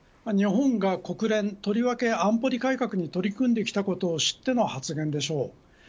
日本が国連とりわけ安保理改革に取り組んできたことを知っての発言でしょう。